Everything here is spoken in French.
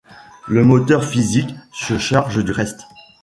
Le moteur physique se charge du reste.